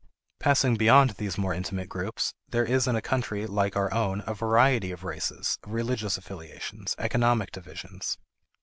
Passing beyond these more intimate groups, there is in a country like our own a variety of races, religious affiliations, economic divisions.